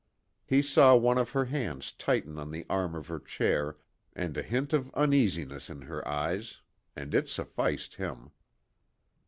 He saw one of her hands tighten on the arm of her chair and a hint of uneasiness in her eyes, and it sufficed him.